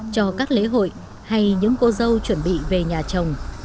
cho các lễ hội hay những cô dâu chuẩn bị về nhà chồng